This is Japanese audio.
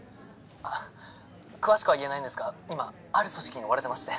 あっ詳しくは言えないんですが今ある組織に追われてまして。